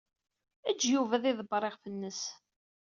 Ejj Yuba ad iḍebber iɣef-nnes.